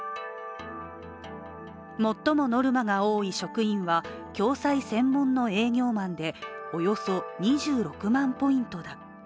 最もノルマが多い職員は共済専門の営業マンでおよそ２６万ポイントだ。